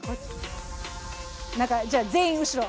じゃあ全員後ろ。